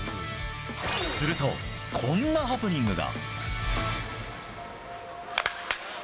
すると、こんなハプニングが。